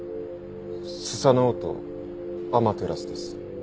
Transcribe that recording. スサノオとアマテラスです。